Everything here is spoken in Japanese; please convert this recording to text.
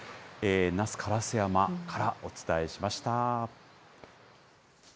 那須烏山からお伝えしました。